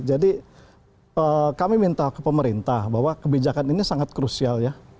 jadi kami minta ke pemerintah bahwa kebijakan ini sangat krusial ya